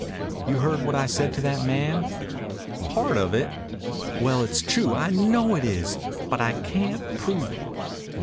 "You heard what I said to that man?" "Part of it." "Well, it's true. I know it is, but I can't prove it."